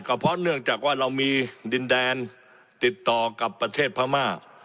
ก็เพราะเนื่องจากว่าเรามีดินแดนติดต่อกับประเทศพม่า